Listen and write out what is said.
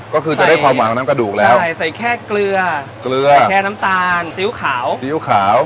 ก็คือจะได้ความหวานของน้ำกระดูกแล้วใช่ใส่แค่เกลือแค่น้ำตาลซีริ้วขาว